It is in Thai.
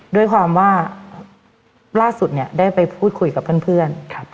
ด้วยความว่าล่าสุดเนี่ยได้ไปพูดคุยกับเพื่อน